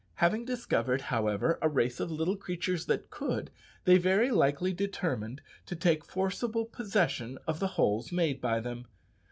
Having discovered, however, a race of little creatures that could, they very likely determined to take forcible possession of the holes made by them.